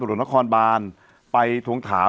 ปรากฏว่าจังหวัดที่ลงจากรถ